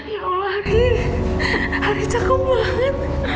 ya allah ari ari cakep banget